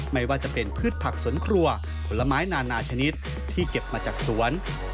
ไม่ว่าจะเป็นพืชผักสวนครัวผลไม้นานาชนิดที่เก็บมาจากสวน